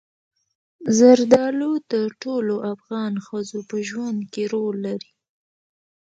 زردالو د ټولو افغان ښځو په ژوند کې رول لري.